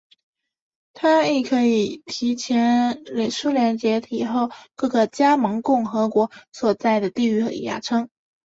它亦可以是前苏联解体后各个加盟共和国所在的地域的雅称。